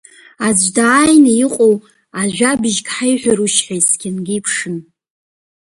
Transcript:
Аӡә дааины иҟоу ажәабжьк ҳаиҳәарушь ҳәа есқьынгьы иԥшын.